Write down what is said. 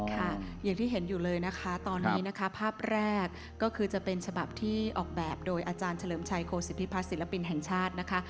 อย่างที่เห็นอยู่เลยนะคะตอนนี้นะคะภาพแรกก็คือจะเป็นฉบับที่ออกแบบโดยอาจารย์เฉลิมชัยโคสิทธิพัฒนศิลปินแห่งชาตินะคะ